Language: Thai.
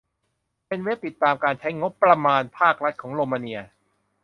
เป็นเว็บติดตามการใช้งบประมาณภาครัฐของโรมาเนีย